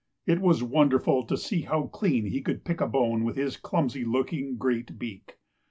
It was wonderful to see how clean he could pick a bone with his clumsy looking great beak.